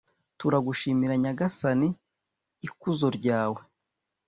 turagushimira nyagasani, ikuzo ryawe